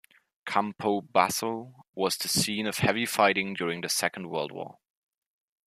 Campobasso was the scene of heavy fighting during the Second World War.